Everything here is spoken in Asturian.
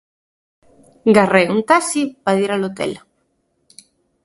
Garré un taxi pa dir al hotel.